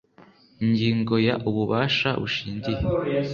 ingingo ya ububasha bushingiye